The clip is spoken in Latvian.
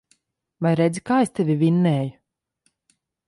Vai redzi, kā es tevi vinnēju.